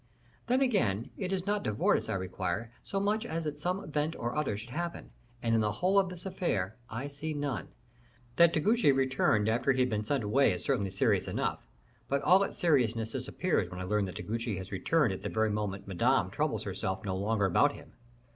Then, again, it is not De Wardes I require so much as that some event or another should happen; and in the whole of this affair I see none. That De Guiche returned after he had been sent away is certainly serious enough, but all its seriousness disappears when I learn that De Guiche has returned at the very moment Madame troubles herself no longer about him.